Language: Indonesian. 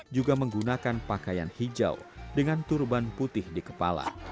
juga menggunakan pakaian hijau dengan turban putih di kepala